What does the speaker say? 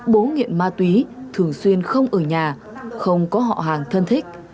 bố nghiện ma túy thường xuyên không ở nhà không có họ hàng thân thích